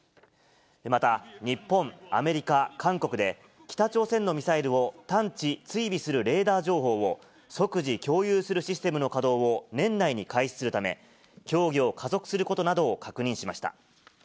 また日本、アメリカ、韓国で、北朝鮮のミサイルを探知・追尾するレーダー情報を、即時共有するシステムの稼働を年内に開始するため、協議を加速することなどを確認しました。